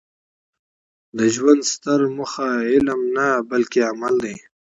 د ژوند ستره موخه علم نه؛ بلکي عمل دئ.